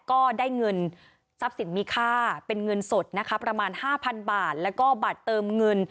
ก็ได้เงินทรัพย์สินมีค่าเป็นเงินสดนะคะประมาณ๕๐๐บาทแล้วก็บัตรเติมเงิน